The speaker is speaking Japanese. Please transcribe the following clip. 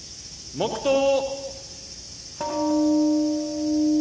黙とう。